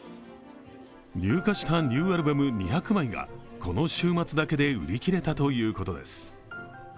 入荷したニューアルバム２００枚がこの週末だけで売り切れたということです。